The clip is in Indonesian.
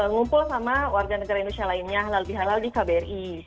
ngumpul sama warga negara indonesia lainnya halal bihalal di kbri